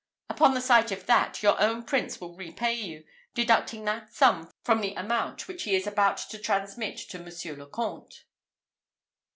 Upon the sight of that, your own Prince will repay you, deducting that sum from the amount which he is about to transmit to Monsieur le Comte."